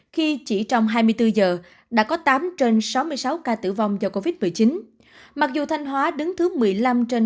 khi chỉ trong hai mươi bốn giờ đã có tám trên sáu mươi sáu ca tử vong do covid một mươi chín mặc dù thanh hóa đứng thứ một mươi năm trên